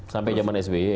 sampai zaman sby